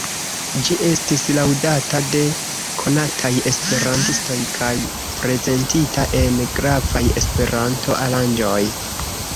Ĝi estis laŭdata de konataj esperantistoj kaj prezentita en gravaj Esperanto-aranĝoj.